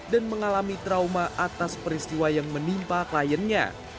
dan mengalami trauma atas peristiwa yang menimpa kliennya